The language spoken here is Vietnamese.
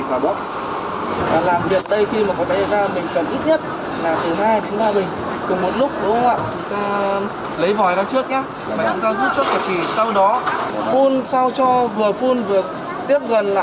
và chúng ta rút chút cái chì sau đó phun sao cho vừa phun vừa tiếp gần lại tới gốc lửa